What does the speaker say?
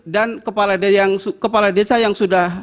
dan kepala desa yang sudah